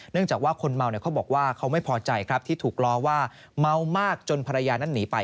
จากว่าคนเมาเขาบอกว่าเขาไม่พอใจครับที่ถูกล้อว่าเมามากจนภรรยานั้นหนีไป